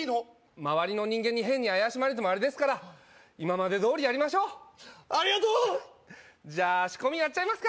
周りの人間に変に怪しまれてもあれですから今までどおりやりましょうありがとう！じゃあ仕込みやっちゃいますか